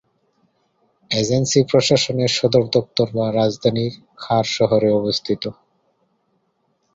Agency প্রশাসনের সদর দপ্তর বা রাজধানী খার শহরে অবস্থিত।